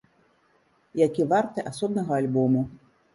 Які варты асобнага альбому.